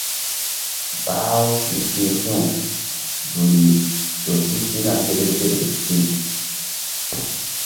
Bah-u mí ti̧h ti̧w duli ƴo si sina seɗe seɗe pi.